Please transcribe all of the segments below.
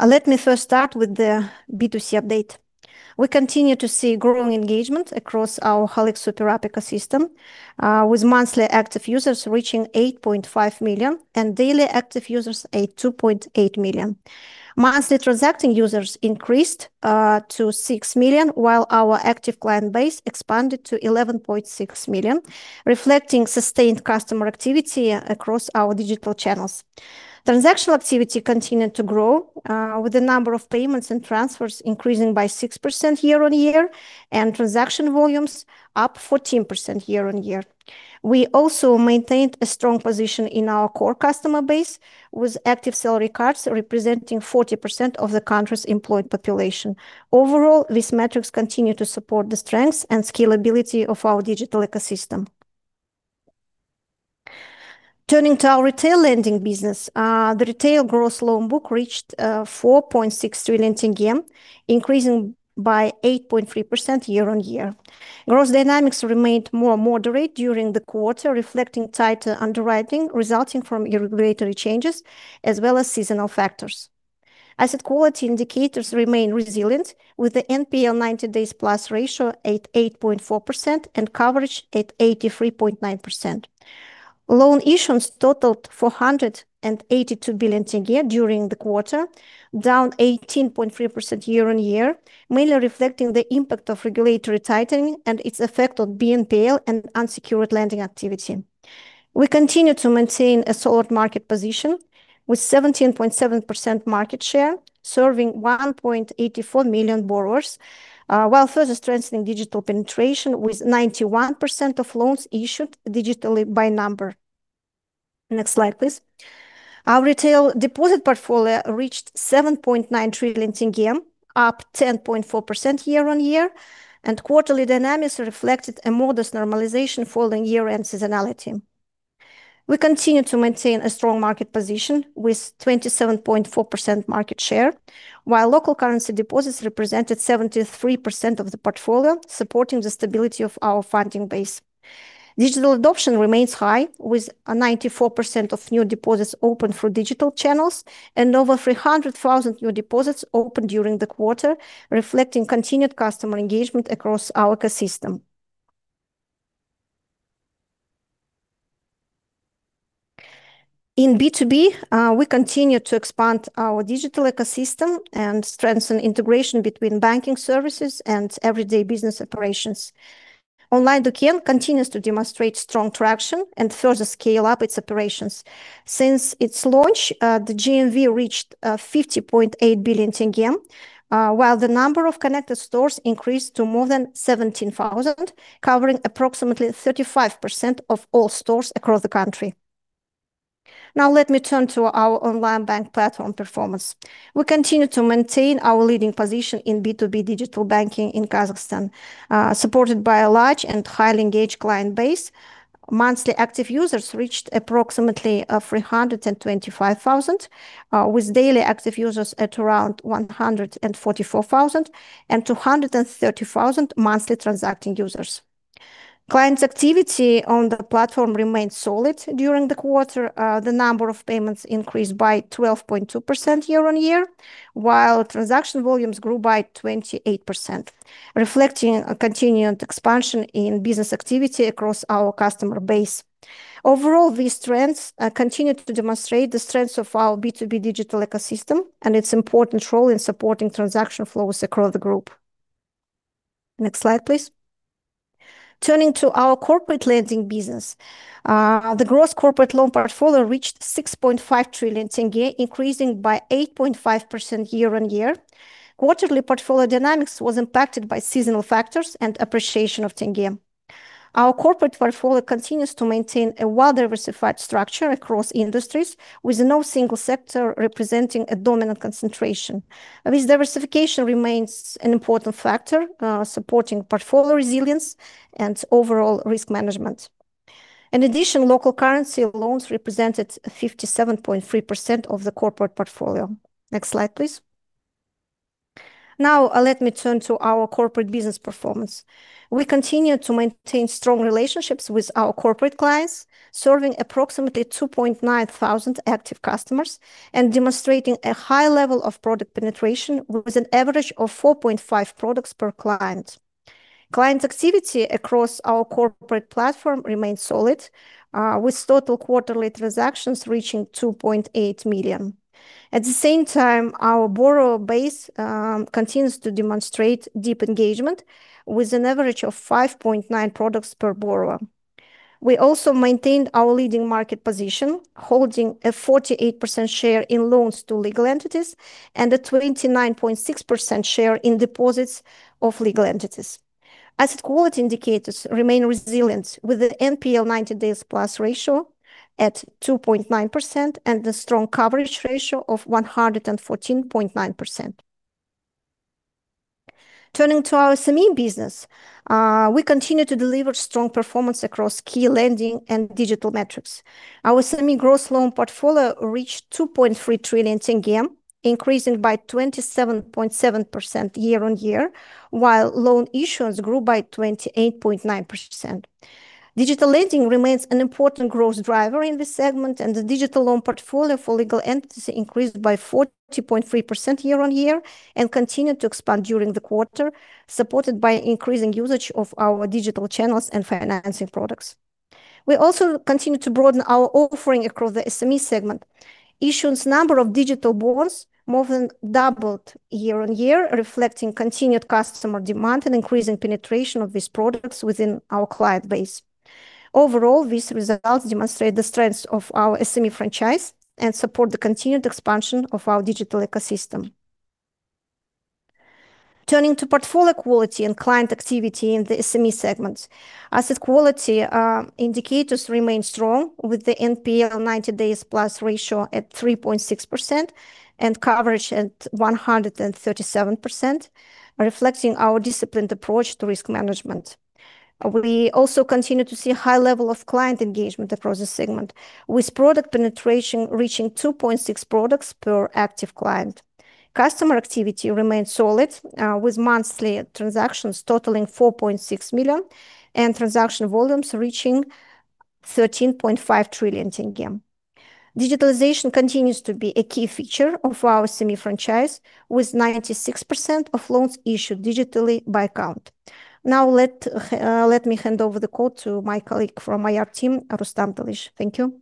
Let me first start with the B2C update. We continue to see growing engagement across our Halyk Superapp ecosystem, with monthly active users reaching 8.5 million, and daily active users at 2.8 million. Monthly transacting users increased to 6 million, while our active client base expanded to 11.6 million, reflecting sustained customer activity across our digital channels. Transactional activity continued to grow, with the number of payments and transfers increasing by 6% year-on-year, and transaction volumes up 14% year-on-year. We also maintained a strong position in our core customer base, with active salary cards representing 40% of the country's employed population. Overall, these metrics continue to support the strengths and scalability of our digital ecosystem. Turning to our retail lending business, the retail gross loan book reached KZT 4.6 trillion, increasing by 8.3% year on year. Growth dynamics remained more moderate during the quarter, reflecting tighter underwriting resulting from regulatory changes as well as seasonal factors. Asset quality indicators remain resilient, with the NPL 90-days-plus ratio at 8.4% and coverage at 83.9%. Loan issuance totaled KZT 482 billion during the quarter, down 18.3% year on year, mainly reflecting the impact of regulatory tightening and its effect on BNPL and unsecured lending activity. We continue to maintain a solid market position with 17.7% market share, serving 1.84 million borrowers, while further strengthening digital penetration with 91% of loans issued digitally by number. Next slide, please. Our retail deposit portfolio reached KZT 7.9 trillion, up 10.4% year-on-year. Quarterly dynamics reflected a modest normalization following year-end seasonality. We continue to maintain a strong market position with 27.4% market share, while local currency deposits represented 73% of the portfolio, supporting the stability of our funding base. Digital adoption remains high, with 94% of new deposits opened through digital channels and over 300,000 new deposits opened during the quarter, reflecting continued customer engagement across our ecosystem. In B2B, we continue to expand our digital ecosystem and strengthen integration between banking services and everyday business operations. OnlineDuken continues to demonstrate strong traction and further scale up its operations. Since its launch, the GMV reached KZT 50.8 billion, while the number of connected stores increased to more than 17,000, covering approximately 35% of all stores across the country. Let me turn to our Onlinebank platform performance. We continue to maintain our leading position in B2B digital banking in Kazakhstan. Supported by a large and highly engaged client base, monthly active users reached approximately 325,000, with daily active users at around 144,000, and 230,000 monthly transacting users. Clients' activity on the platform remained solid during the quarter. The number of payments increased by 12.2% year-on-year, while transaction volumes grew by 28%, reflecting a continued expansion in business activity across our customer base. Overall, these trends continue to demonstrate the strengths of our B2B digital ecosystem and its important role in supporting transaction flows across the group. Next slide, please. Turning to our corporate lending business, the gross corporate loan portfolio reached KZT 6.5 trillion, increasing by 8.5% year-on-year. Quarterly portfolio dynamics was impacted by seasonal factors and appreciation of tenge. Our corporate portfolio continues to maintain a well-diversified structure across industries, with no single sector representing a dominant concentration. This diversification remains an important factor supporting portfolio resilience and overall risk management. Local currency loans represented 57.3% of the corporate portfolio. Next slide, please. Let me turn to our corporate business performance. We continue to maintain strong relationships with our corporate clients, serving approximately 2,900 active customers and demonstrating a high level of product penetration with an average of 4.5 products per client. Clients' activity across our corporate platform remains solid, with total quarterly transactions reaching 2.8 million. At the same time, our borrower base continues to demonstrate deep engagement with an average of 5.9 products per borrower. We also maintained our leading market position, holding a 48% share in loans to legal entities and a 29.6% share in deposits of legal entities. Asset quality indicators remain resilient, with the NPL 90-days-plus ratio at 2.9% and a strong coverage ratio of 114.9%. Turning to our SME business, we continue to deliver strong performance across key lending and digital metrics. Our SME gross loan portfolio reached KZT 2.3 trillion increasing by 27.7% year-on-year, while loan issuance grew by 28.9%. Digital lending remains an important growth driver in this segment, and the digital loan portfolio for legal entities increased by 40.3% year-on-year and continued to expand during the quarter, supported by increasing usage of our digital channels and financing products. We also continue to broaden our offering across the SME segment. Issuance number of digital bonds more than doubled year-on-year, reflecting continued customer demand and increasing penetration of these products within our client base. Overall, these results demonstrate the strength of our SME franchise and support the continued expansion of our digital ecosystem. Turning to portfolio quality and client activity in the SME segment. Asset quality indicators remain strong with the NPL 90-days-plus ratio at 3.6% and coverage at 137%, reflecting our disciplined approach to risk management. We also continue to see a high level of client engagement across the segment, with product penetration reaching 2.6 products per active client. Customer activity remains solid, with monthly transactions totaling 4.6 million and transaction volumes reaching KZT 13.5 trillion. Digitalization continues to be a key feature of our SME franchise, with 96% of loans issued digitally by count. Now let me hand over the call to my colleague from IR team, Rustam Telish. Thank you.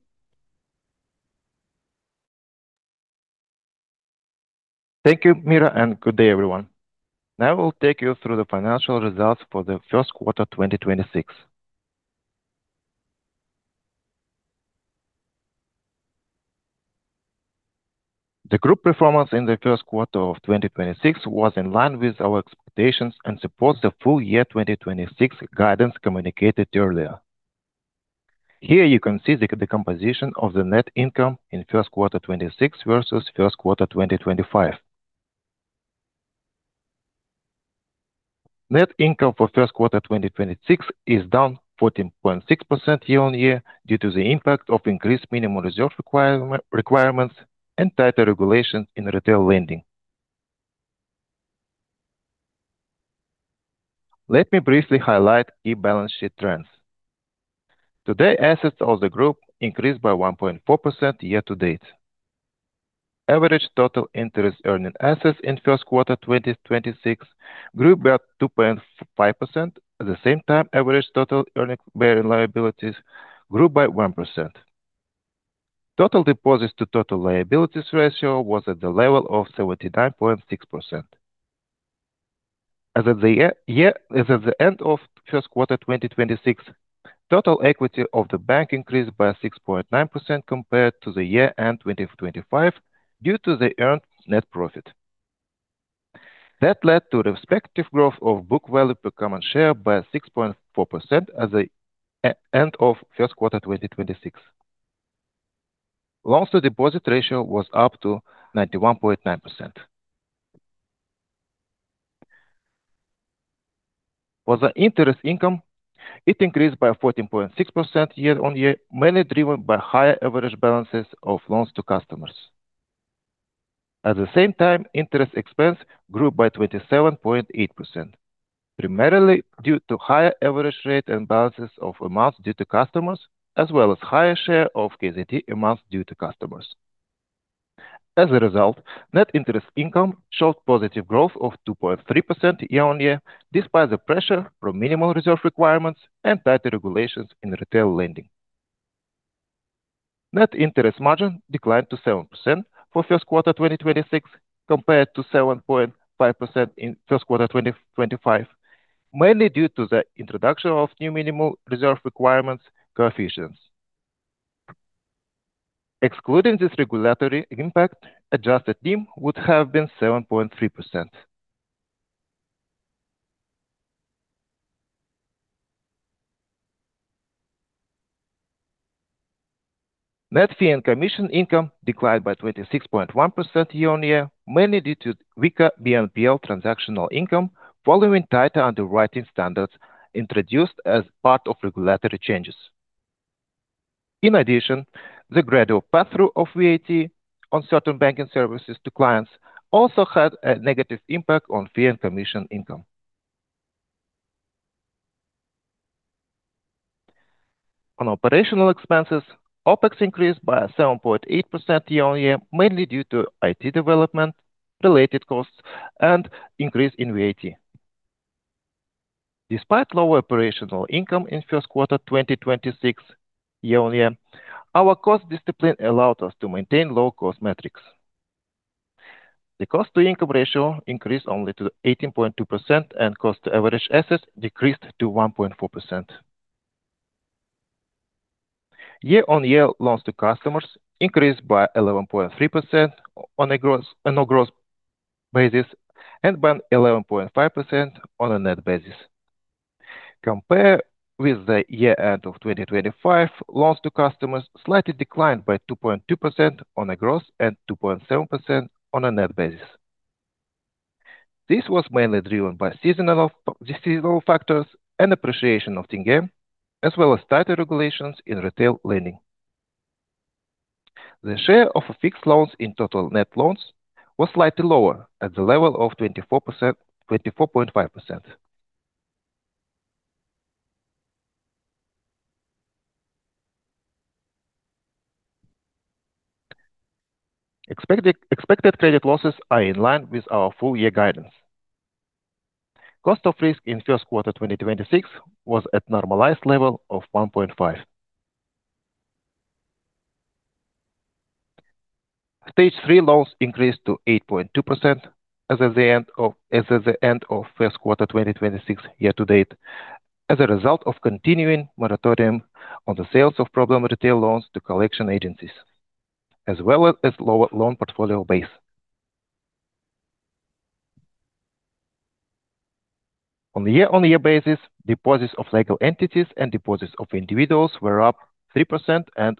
Thank you, Mira, and good day, everyone. Now we'll take you through the financial results for the first quarter 2026. The group performance in the first quarter of 2026 was in line with our expectations and supports the full year 2026 guidance communicated earlier. Here you can see the composition of the net income in first quarter 2026 versus first quarter 2025. Net income for first quarter 2026 is down 14.6% year on year due to the impact of increased minimum reserve requirements and tighter regulations in retail lending. Let me briefly highlight key balance sheet trends. Today, assets of the group increased by 1.4% year to date. Average total interest-earning assets in first quarter 2026 grew by 2.5%. At the same time, average total earning-bearing liabilities grew by 1%. Total deposits to total liabilities ratio was at the level of 79.6%. As at the end of first quarter 2026, total equity of the bank increased by 6.9% compared to the year-end 2025 due to the earned net profit. That led to respective growth of book value per common share by 6.4% as at end of first quarter 2026. Loans-to-deposit ratio was up to 91.9%. For the interest income, it increased by 14.6% year-on-year, mainly driven by higher average balances of loans to customers. At the same time, interest expense grew by 27.8%, primarily due to higher average rate and balances of amounts due to customers, as well as higher share of KZT amounts due to customers. As a result, net interest income showed positive growth of 2.3% year-on-year, despite the pressure from minimum reserve requirements and tighter regulations in retail lending. Net interest margin declined to 7% for first quarter 2026 compared to 7.5% in first quarter 2025, mainly due to the introduction of new minimum reserve requirements coefficients. Excluding this regulatory impact, adjusted NIM would have been 7.3%. Net fee and commission income declined by 26.1% year-on-year, mainly due to weaker BNPL transactional income following tighter underwriting standards introduced as part of regulatory changes. In addition, the gradual pass-through of VAT on certain banking services to clients also had a negative impact on fee and commission income. On operational expenses, OpEx increased by 7.8% year-on-year, mainly due to IT development-related costs and increase in VAT. Despite lower operational income in first quarter 2026 year-on-year, our cost discipline allowed us to maintain low cost metrics. The cost-to-income ratio increased only to 18.2%, and cost to average assets decreased to 1.4%. Year-on-year, loans to customers increased by 11.3% on a gross basis and by 11.5% on a net basis. Compare with the year-end of 2025, loans to customers slightly declined by 2.2% on a gross and 2.7% on a net basis. This was mainly driven by seasonal factors and appreciation of tenge, as well as tighter regulations in retail lending. The share of FX loans in total net loans was slightly lower at the level of 24%, 24.5%. Expected credit losses are in line with our full year guidance. Cost of risk in first quarter 2026 was at normalized level of 1.5. Stage 3 loans increased to 8.2% as of the end of first quarter 2026 year to date as a result of continuing moratorium on the sales of problem retail loans to collection agencies, as well as lower loan portfolio base. On the year basis, deposits of legal entities and deposits of individuals were up 3% and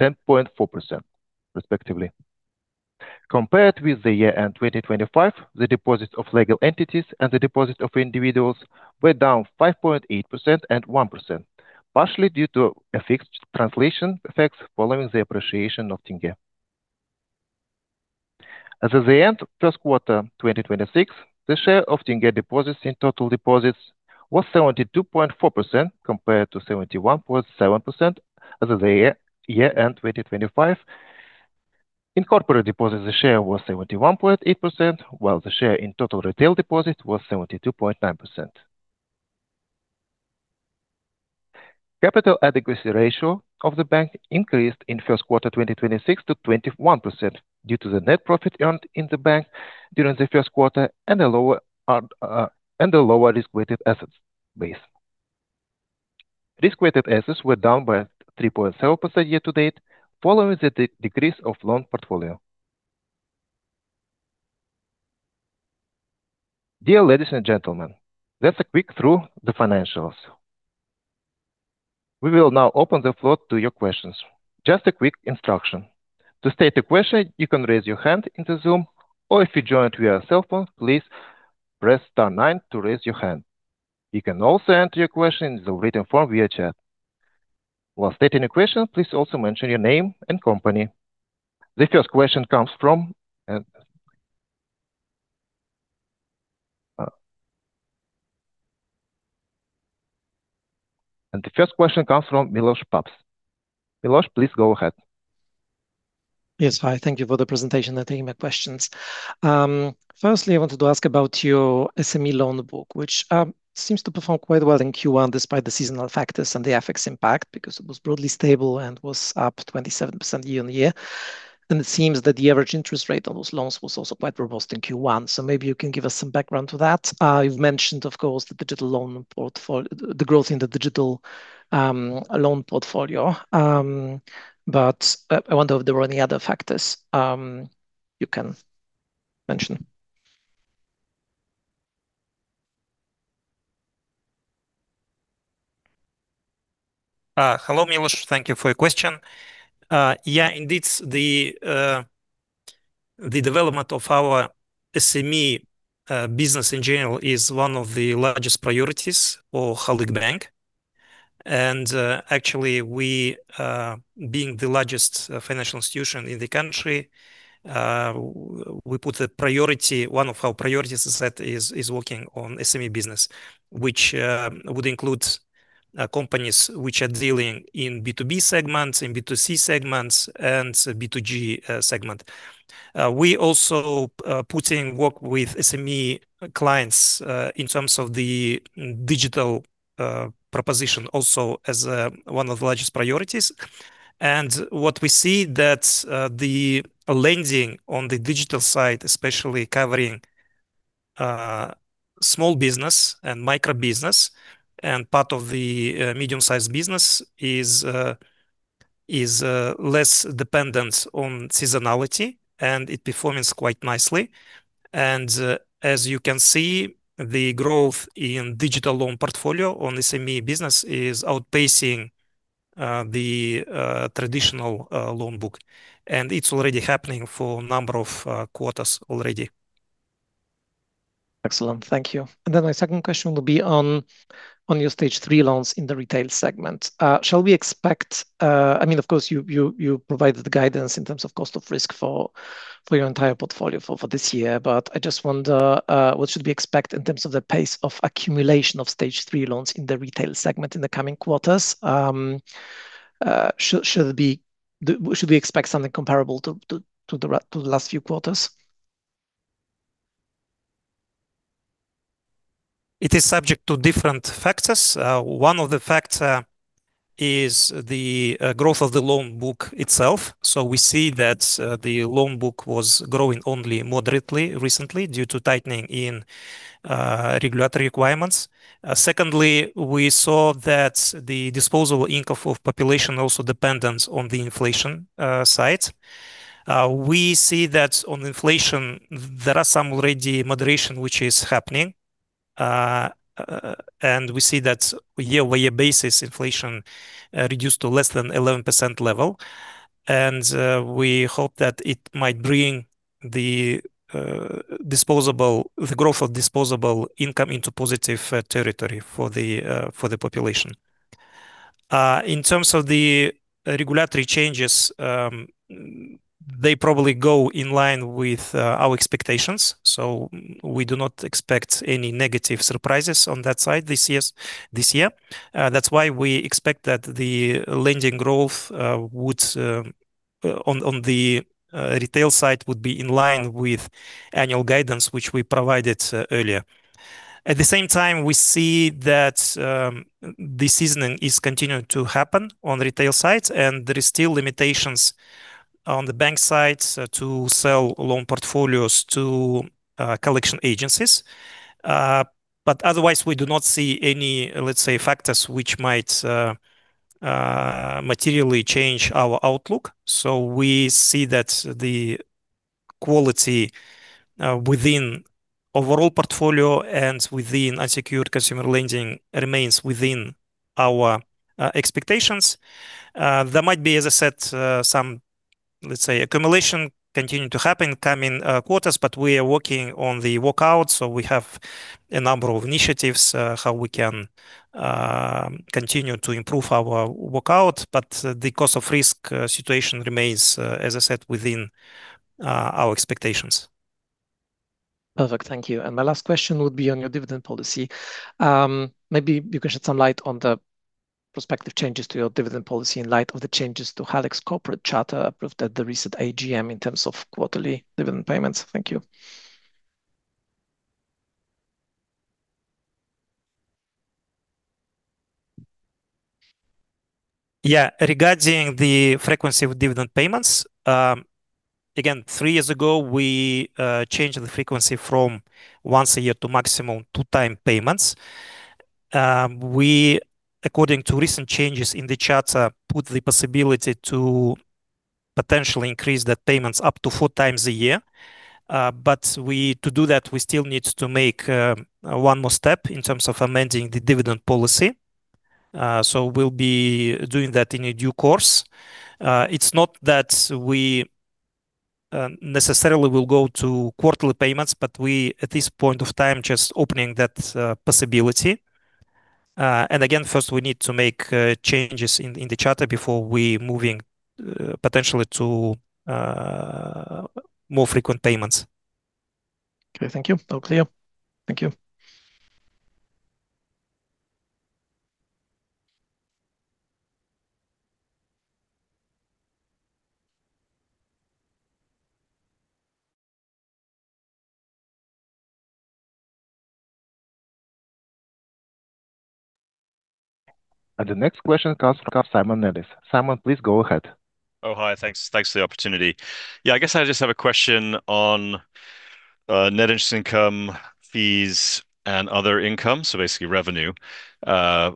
10.4% respectively. Compared with the year-end 2025, the deposits of legal entities and the deposits of individuals were down 5.8% and 1%, partially due to FX translation effects following the appreciation of tenge. As of the end first quarter 2026, the share of tenge deposits in total deposits was 72.4% compared to 71.7% as of the year-end 2025. In corporate deposits, the share was 71.8%, while the share in total retail deposit was 72.9%. Capital adequacy ratio of the bank increased in first quarter 2026 to 21% due to the net profit earned in the bank during the first quarter and a lower risk-weighted assets base. Risk-weighted assets were down by 3.7% year to date following the decrease of loan portfolio. Dear ladies and gentlemen, that's a quick through the financials. We will now open the floor to your questions. Just a quick instruction. To state a question, you can raise your hand in the Zoom, or if you joined via cellphone, please press star nine to raise your hand. You can also enter your question in the written form via chat. While stating your question, please also mention your name and company. The first question comes from Milosz Papst. Milosz, please go ahead. Yes, hi. Thank you for the presentation and taking my questions. firstly, I wanted to ask about your SME loan book, which seems to perform quite well in Q1 despite the seasonal factors and the FX impact, because it was broadly stable and was up 27% year-over-year. It seems that the average interest rate on those loans was also quite robust in Q1, so maybe you can give us some background to that. You've mentioned of course the growth in the digital loan portfolio. I wonder if there were any other factors you can mention. Hello, Milosz. Thank you for your question. Indeed, the development of our SME business in general is one of the largest priorities of Halyk Bank. Actually, we, being the largest financial institution in the country, we put a priority, one of our priorities is set, is working on SME business, which would include companies which are dealing in B2B segments, in B2C segments, and B2G segment. We also putting work with SME clients in terms of the digital proposition also as one of the largest priorities. What we see that the lending on the digital side, especially covering small business and micro business and part of the medium-sized business is less dependent on seasonality, and it performance quite nicely. As you can see, the growth in digital loan portfolio on SME business is outpacing the traditional loan book. It's already happening for a number of quarters already. Excellent. Thank you. My second question will be on your Stage 3 loans in the retail segment. Shall we expect I mean, of course you provided the guidance in terms of cost of risk for your entire portfolio for this year, but I just wonder, what should we expect in terms of the pace of accumulation of Stage 3 loans in the retail segment in the coming quarters? Should we expect something comparable to the last few quarters? It is subject to different factors. One of the factor is the growth of the loan book itself. We see that the loan book was growing only moderately recently due to tightening in regulatory requirements. Secondly, we saw that the disposable income of population also dependent on the inflation side. We see that on inflation there are some already moderation which is happening. We see that year-over-year basis inflation reduced to less than 11% level. We hope that it might bring the growth of disposable income into positive territory for the population. In terms of the regulatory changes, they probably go in line with our expectations. We do not expect any negative surprises on that side this year. That's why we expect that the lending growth on the retail side would be in line with annual guidance which we provided earlier. At the same time, we see that this seasoning is continuing to happen on retail side, there is still limitations on the bank side to sell loan portfolios to collection agencies. Otherwise, we do not see any, let's say, factors which might materially change our outlook. We see that the quality within overall portfolio and within unsecured consumer lending remains within our expectations. There might be, as I said, some, let's say, accumulation continue to happen coming quarters, we are working on the workout. We have a number of initiatives, how we can continue to improve our workout. The cost of risk situation remains, as I said, within our expectations. Perfect. Thank you. My last question would be on your dividend policy. Maybe you can shed some light on the prospective changes to your dividend policy in light of the changes to Halyk corporate charter approved at the recent AGM in terms of quarterly dividend payments. Thank you. Regarding the frequency of dividend payments, again, three years ago we changed the frequency from once a year to maximum two time payments. We according to recent changes in the charter, put the possibility to potentially increase the payments up to four times a year. To do that, we still need to make one more step in terms of amending the dividend policy. We'll be doing that in a due course. It's not that we necessarily will go to quarterly payments, we, at this point of time, just opening that possibility. Again, first we need to make changes in the charter before we moving potentially to more frequent payments. Okay. Thank you. All clear. Thank you. The next question comes from Simon Nellis. Simon, please go ahead. Oh, hi. Thanks. Thanks for the opportunity. I guess I just have a question on net interest income fees and other income, so basically revenue. On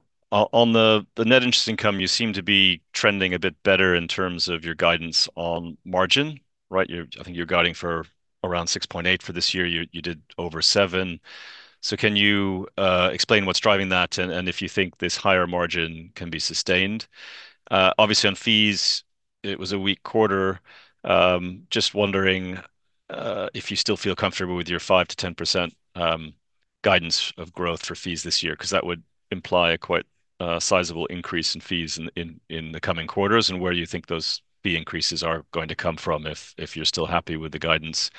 the net interest income, you seem to be trending a bit better in terms of your guidance on margin, right? I think you're guiding for around 6.8 for this year. You did over 7. Can you explain what's driving that and if you think this higher margin can be sustained? Obviously on fees it was a weak quarter. Just wondering if you still feel comfortable with your 5%-10% guidance of growth for fees this year, 'cause that would imply a quite sizable increase in fees in the coming quarters. Where you think those fee increases are going to come from, if you're still happy with the guidance?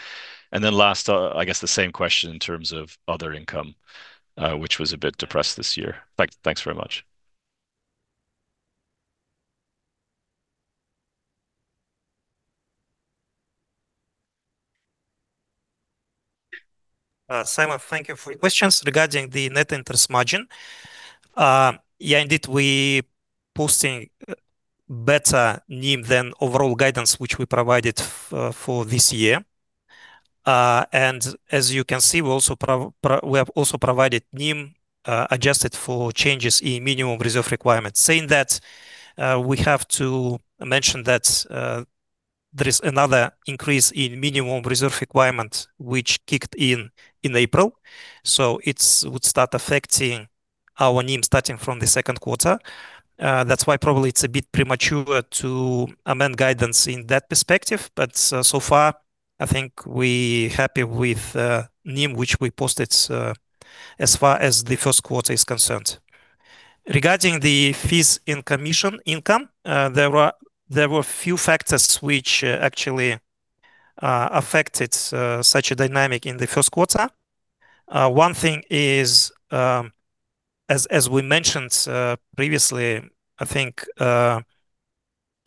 Last, I guess the same question in terms of other income, which was a bit depressed this year. Thanks very much. Simon, thank you for your questions. Regarding the net interest margin, indeed, we posting better NIM than overall guidance, which we provided for this year. As you can see, we have also provided NIM adjusted for changes in minimum reserve requirements. Saying that, we have to mention that there is another increase in minimum reserve requirement which kicked in in April, so it would start affecting our NIM starting from the second quarter. That's why probably it's a bit premature to amend guidance in that perspective, but so far, I think we happy with NIM which we posted as far as the first quarter is concerned. Regarding the fees and commission income, there were few factors which actually affected such a dynamic in the first quarter. One thing is, as we mentioned previously, I think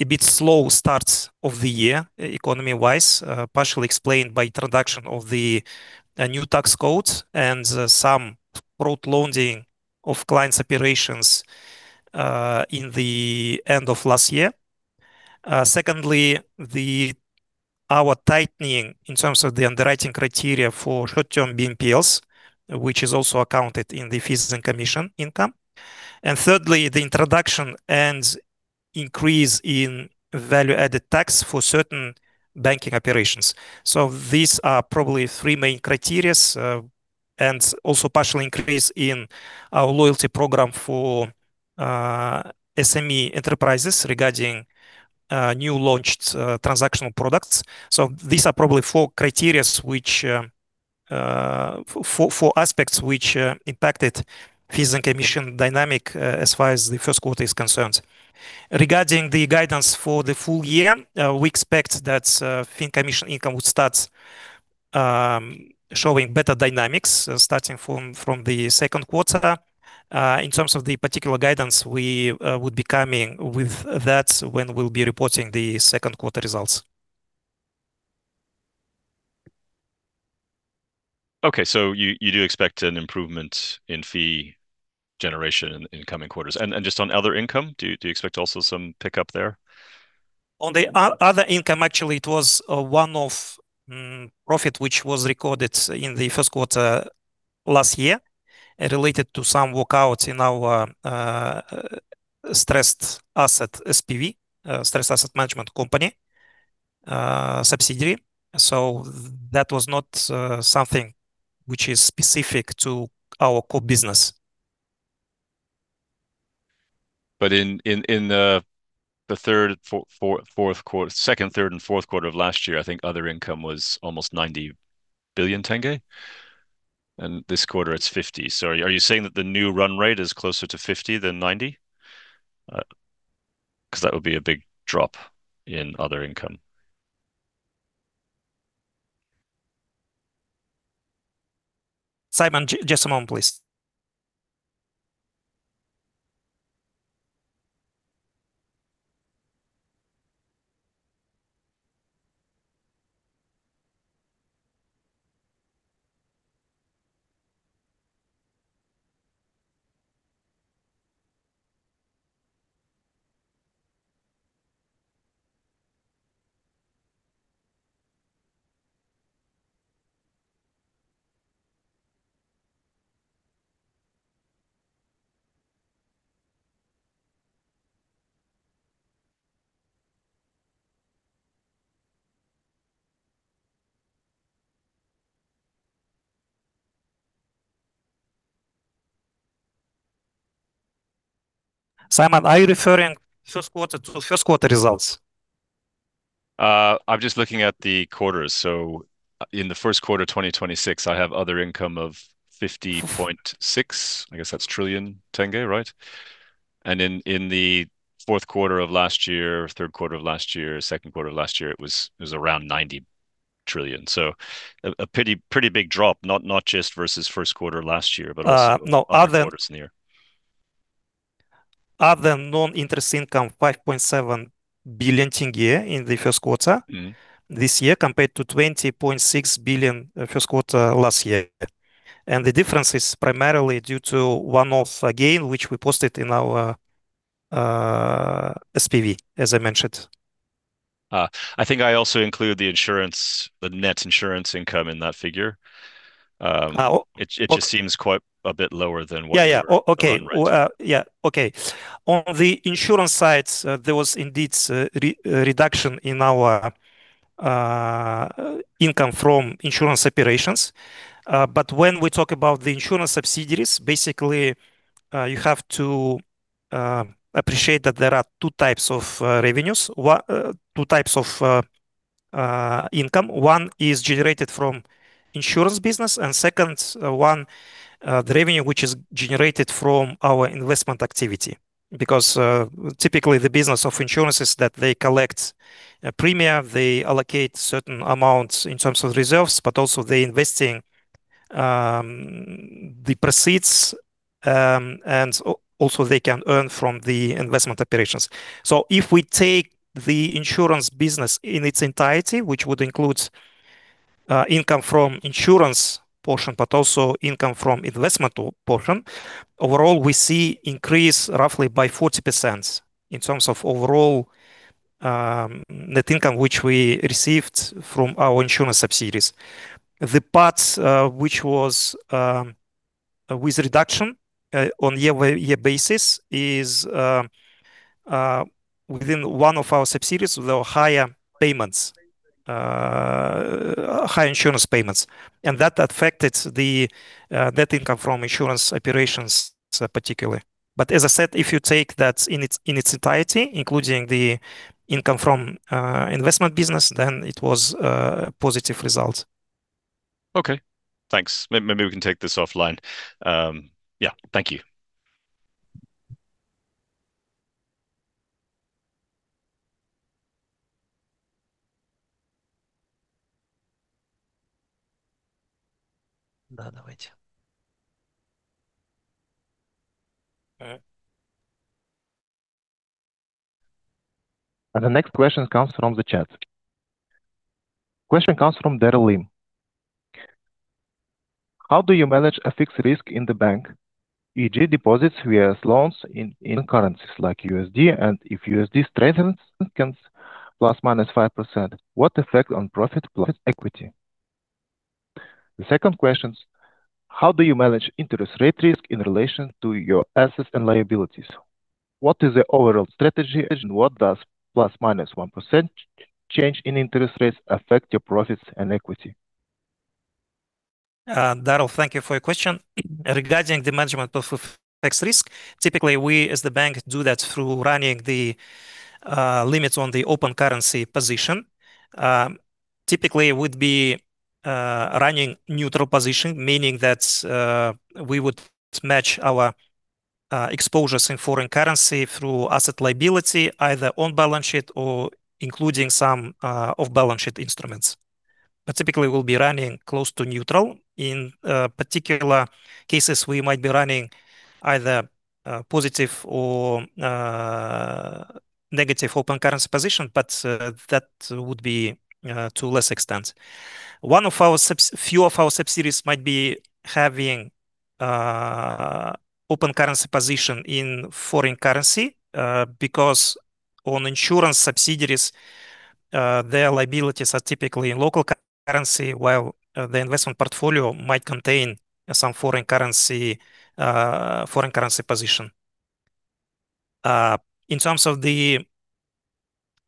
a bit slow starts of the year economy-wise, partially explained by introduction of the new tax codes and some front-loading of clients' operations in the end of last year. Secondly, our tightening in terms of the underwriting criteria for short-term BNPLs, which is also accounted in the fees and commission income. Thirdly, the introduction and increase in value added tax for certain banking operations. These are probably three main criteria, and also partial increase in our loyalty program for SME enterprises regarding new launched transactional products. These are probably four criteria which four aspects which impacted fees and commission dynamic as far as the first quarter is concerned. Regarding the guidance for the full year, we expect that fee and commission income would start showing better dynamics starting from the second quarter. In terms of the particular guidance, we would be coming with that when we'll be reporting the second quarter results. Okay. You do expect an improvement in fee generation in coming quarters. Just on other income, do you expect also some pickup there? On the other income, actually it was one-off profit which was recorded in the first quarter last year related to some work outs in our stressed asset SPV, stressed asset management company subsidiary. That was not something which is specific to our core business. In the third, fourth quarter, second, third and fourth quarter of last year, I think other income was almost KZT 90 billion. This quarter it's KZT 50 billion. Are you saying that the new run rate is closer to KZT 50 billion than KZT 90 billion? 'Cause that would be a big drop in other income. Simon, just a moment, please. Simon, are you referring first quarter to first quarter results? I'm just looking at the quarters. In the first quarter 2026, I have other income of KZT 50.6 trillion. I guess that's KZT 50.6 trillion, right? In the fourth quarter of last year, third quarter of last year, second quarter of last year, it was around KZT 90 trillion. A pretty big drop, not just versus first quarter last year, but also other quarters in the year. No, other non-interest income, KZT 5.7 billion in the first quarter this year, compared to KZT 20.6 billion first quarter last year. The difference is primarily due to one-off gain, which we posted in our SPV, as I mentioned. I think I also include the insurance, the net insurance income in that figure. It just seems quite a bit lower than what your run rate is. Yeah, yeah. Okay. Well, yeah, okay. On the insurance side, there was indeed reduction in our income from insurance operations. When we talk about the insurance subsidiaries, basically, you have to appreciate that there are two types of revenues. One, two types of income. One is generated from insurance business, second one, the revenue which is generated from our investment activity. Typically the business of insurance is that they collect a premium, they allocate certain amounts in terms of reserves, also they investing the proceeds, also they can earn from the investment operations. If we take the insurance business in its entirety, which would include income from insurance portion, also income from investment portion. Overall, we see increase roughly by 40% in terms of overall net income, which we received from our insurance subsidiaries. The parts which was with reduction on a year-over-year basis is within one of our subsidiaries, there were higher payments, high insurance payments, and that affected the net income from insurance operations particularly. As I said, if you take that in its entirety, including the income from investment business, then it was a positive result. Okay, thanks. Maybe we can take this offline. Yeah. Thank you. The next question comes from the chat. Question comes from Darryl Lim. How do you manage a FX risk in the bank, e.g. deposits versus loans in currencies like USD, and if USD strengthens can ±5%, what effect on profit plus equity? The second question's, how do you manage interest rate risk in relation to your assets and liabilities? What is the overall strategy and what does +/- 1% change in interest rates affect your profits and equity? Darryl, thank you for your question. Regarding the management of FX risk, typically we as the bank do that through running the limits on the open currency position. Typically it would be running neutral position, meaning that we would match our exposures in foreign currency through asset liability, either on balance sheet or including some off balance sheet instruments. Typically we'll be running close to neutral. In particular cases, we might be running either positive or negative open currency position, but that would be to less extent. Few of our subsidiaries might be having open currency position in foreign currency because on insurance subsidiaries their liabilities are typically in local currency, while the investment portfolio might contain some foreign currency foreign currency position. In terms of the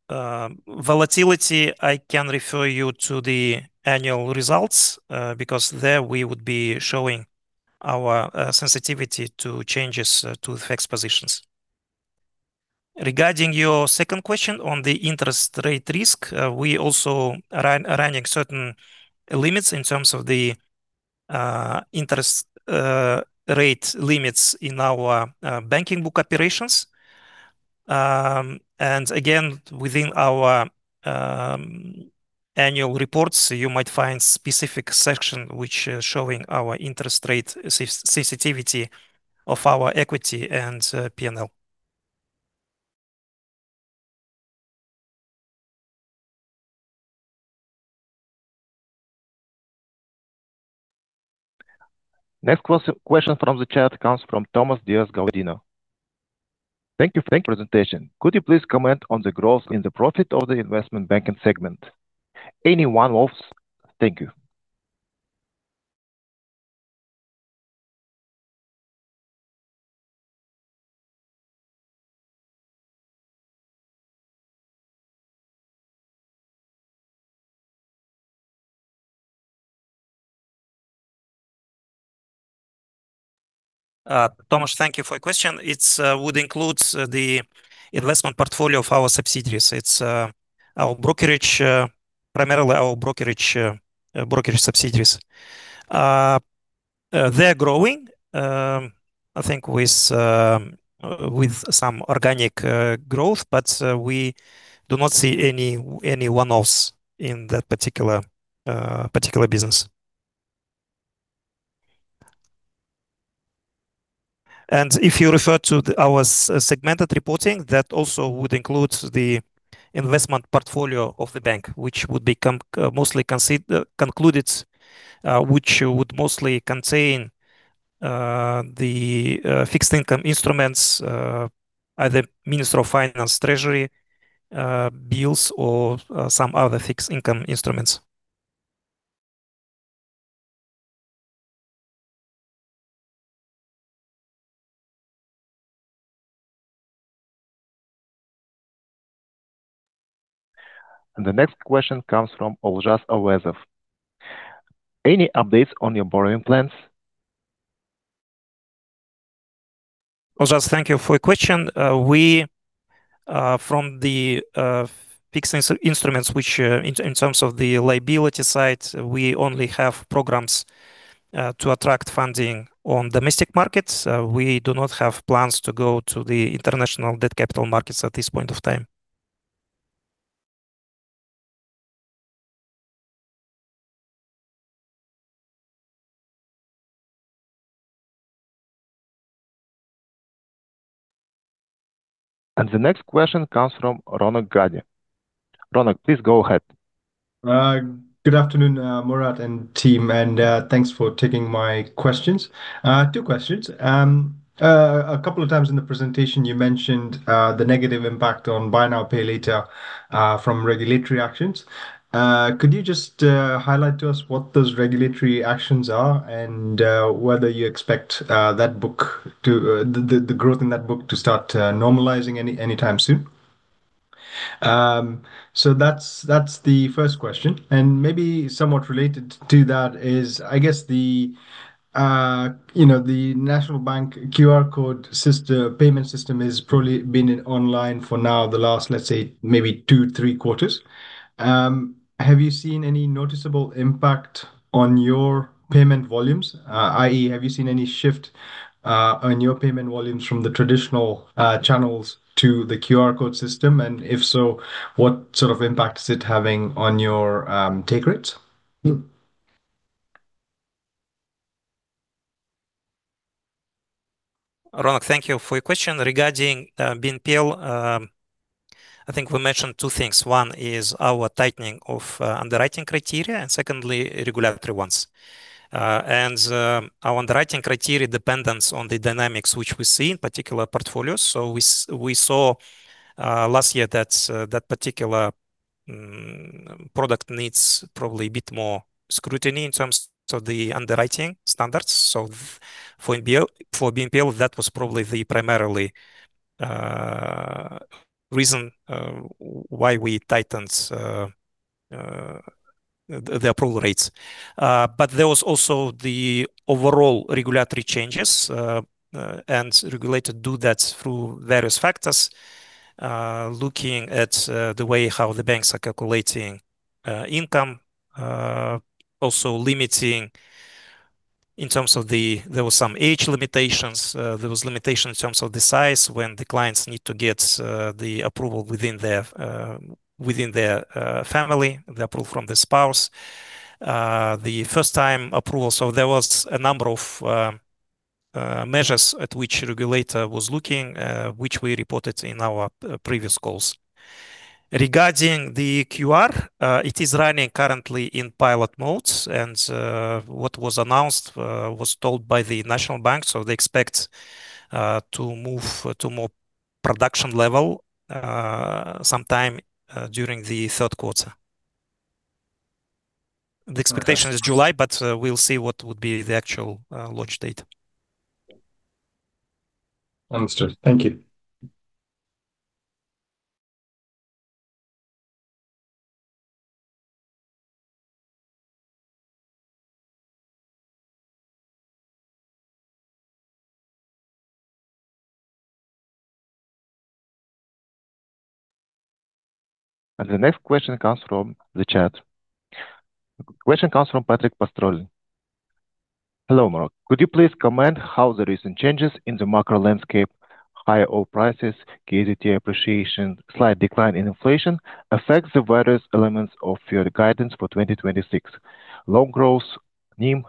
volatility, I can refer you to the annual results, because there we would be showing our sensitivity to changes to the FX positions. Regarding your second question on the interest rate risk, we also running certain limits in terms of the interest rate limits in our banking book operations. Again, within our annual reports, you might find specific section which showing our interest rate sensitivity of our equity and P&L. Next question from the chat comes from Tomasz Dziegielewski. Thank you for your presentation. Could you please comment on the growth in the profit of the investment banking segment? Any one-offs? Thank you. Tomasz, thank you for your question. It's, would includes, the investment portfolio of our subsidiaries. It's, our brokerage, primarily our brokerage subsidiaries. They're growing, I think with some organic growth, but, we do not see any one-offs in that particular business. If you refer to our segmented reporting, that also would includes the investment portfolio of the bank, which would become mostly concluded, which would mostly contain, the fixed income instruments, either Ministry of Finance Treasury bills or some other fixed income instruments. The next question comes from Olzhas Auyezov. Any updates on your borrowing plans? Olzhas, thank you for your question. We, from the fixed instruments, which, in terms of the liability side, we only have programs to attract funding on domestic markets. We do not have plans to go to the international debt capital markets at this point of time. The next question comes from Ronak Gadhia. Ronak, please go ahead. Good afternoon, Murat and team, and thanks for taking my questions. Two questions. A couple of times in the presentation you mentioned the negative impact on buy now, pay later from regulatory actions. Could you just highlight to us what those regulatory actions are and whether you expect that book to the growth in that book to start normalizing anytime soon? So that's the first question. Maybe somewhat related to that is, I guess the, you know, the National Bank QR code payment system has probably been online for now the last two, three quarters. Have you seen any noticeable impact on your payment volumes? I.e., have you seen any shift on your payment volumes from the traditional channels to the QR code system? If so, what sort of impact is it having on your take rates? Ronak, thank you for your question. Regarding BNPL, I think we mentioned two things. One is our tightening of underwriting criteria, secondly, regulatory ones. Our underwriting criteria dependence on the dynamics which we see in particular portfolios. We saw last year that particular product needs probably a bit more scrutiny in terms of the underwriting standards. For BNPL, that was probably the primarily reason why we tightened the approval rates. There was also the overall regulatory changes, regulator do that through various factors. Looking at the way how the banks are calculating income. There was some age limitations. There was limitations in terms of the size when the clients need to get the approval within their within their family, the approval from the spouse. The first time approval. There was a number of measures at which regulator was looking, which we reported in our previous calls. Regarding the QR, it is running currently in pilot modes and what was announced was told by the National Bank. They expect to move to more production level sometime during the 3rd quarter. The expectation is July, but we'll see what would be the actual launch date. Understood. Thank you. The next question comes from the chat. Question comes from Patrick Pastore. Hello, Murat. Could you please comment how the recent changes in the macro landscape, higher oil prices, KZT appreciation, slight decline in inflation affects the various elements of your guidance for 2026 loan growth, NIM,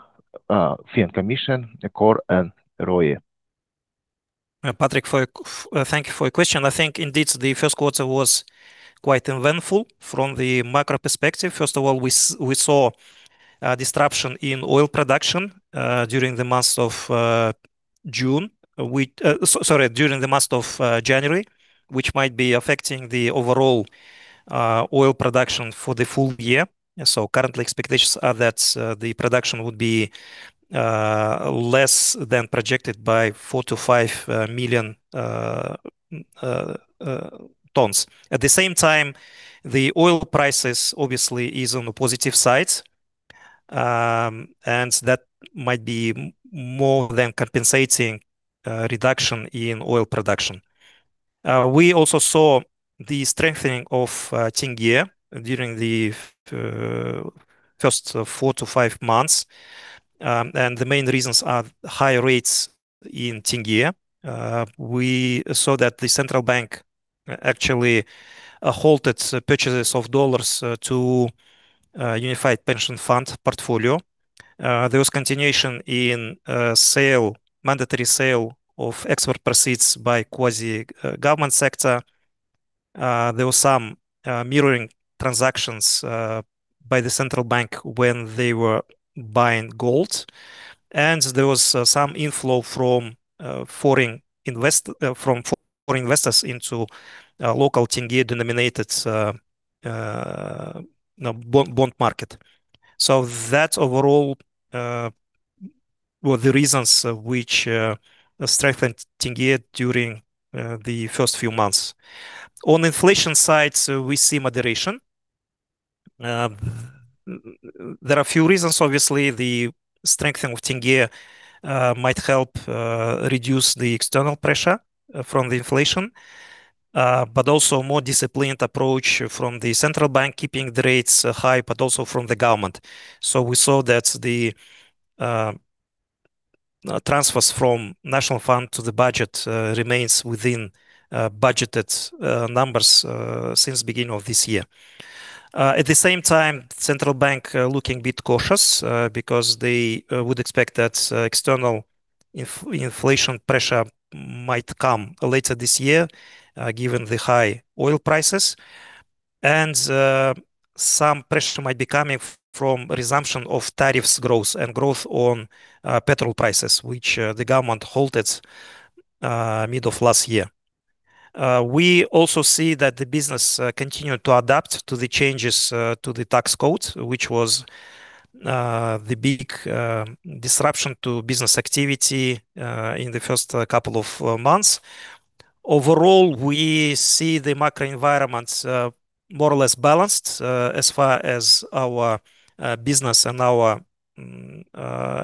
fee and commission, core and ROE? Patrick, thank you for your question. I think indeed the 1st quarter was quite eventful from the macro perspective. We saw a disruption in oil production during the month of June. During the month of January, which might be affecting the overall oil production for the full year. Currently expectations are that the production would be less than projected by 4-5 million tons. At the same time, the oil prices obviously is on the positive side, and that might be more than compensating reduction in oil production. We also saw the strengthening of tenge during the 1st four-five months. The main reasons are high rates in tenge. We saw that the Central Bank actually halted purchases of $ to Unified Pension Fund portfolio. There was continuation in sale, mandatory sale of export proceeds by quasi-government sector. There were some mirroring transactions by the Central Bank when they were buying gold. There was some inflow from foreign investors into local tenge-denominated bond market. That overall were the reasons which strengthened tenge during the first few months. On inflation side, we see moderation. There are a few reasons. Obviously, the strengthening of tenge might help reduce the external pressure from the inflation. Also more disciplined approach from the Central Bank keeping the rates high, but also from the government. We saw that the transfers from National Fund to the budget remains within budgeted numbers since beginning of this year. At the same time, Central Bank looking bit cautious because they would expect that external inflation pressure might come later this year given the high oil prices. Some pressure might be coming from resumption of tariffs growth and growth on petrol prices, which the government halted mid of last year. We also see that the business continued to adapt to the changes to the tax code, which was the big disruption to business activity in the first couple of months. Overall, we see the macro environment, more or less balanced, as far as our business and our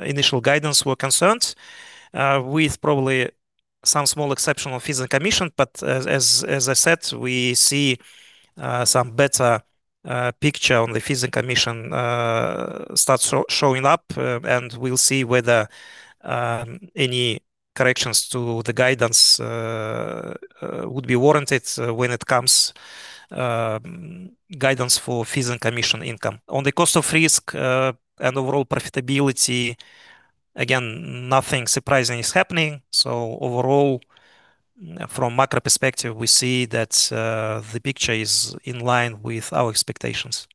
initial guidance were concerned. With probably some small exceptional fees and commission. As I said, we see some better picture on the fees and commission starts showing up. We'll see whether any corrections to the guidance would be warranted when it comes guidance for fees and commission income. On the cost of risk and overall profitability, again, nothing surprising is happening. Overall, from macro perspective, we see that the picture is in line with our expectations.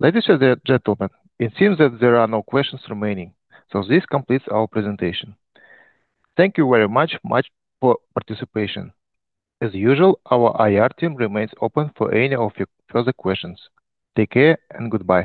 Ladies and gentlemen, it seems that there are no questions remaining, this completes our presentation. Thank you very much for participation. As usual, our IR team remains open for any of your further questions. Take care and goodbye.